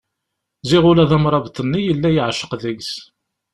Ziɣ ula d amrabeḍ-nni yella yeɛceq deg-s.